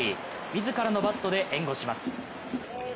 自らのバットで援護します。